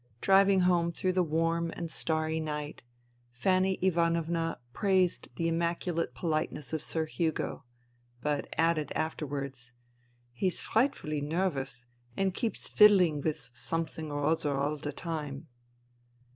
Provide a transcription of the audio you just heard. Driving home through the warm and starry night, Fanny Ivanovna praised the immaculate politeness of Sir Hugo ; but added afterwards, " He's frightfully nervous, and keeps fiddling with something or other all the time."